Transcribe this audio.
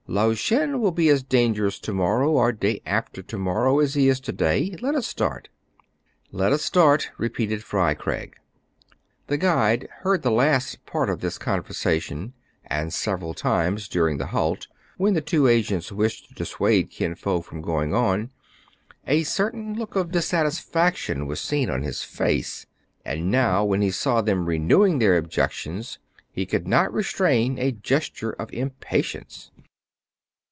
Lao Shen will be as dangerous to morrow or day after to morrow as he is to day. Let us start." " Let us start," repeated Fry Craig. The guide heard the last part of this conversa tion, and several times during the halt, when the 254 TRIBULATIONS OF A CHINAMAN. two agents wished to dissuade Kin Fo from going on, a certain look of dissatisfaction was seen on his face ; and now, when he saw them renewing their objections, he could not restrain a gesture of impatience.